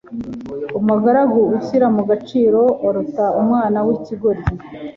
Umugaragu ushyira mu gaciro aruta umwana w’ikigoryi